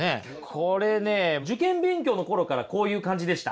これね受験勉強の頃からこういう感じでした？